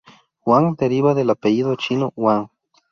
Hwang deriva del apellido chino Huang.